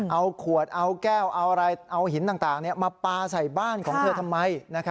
เอาขวดเอาแก้วเอาหินต่างมาปลาใส่บ้านของเธอทำไม